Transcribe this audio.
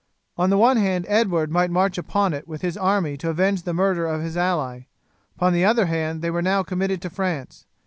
On the one hand Edward might march upon it with his army to avenge the murder of his ally. Upon the other hand they were now committed to France.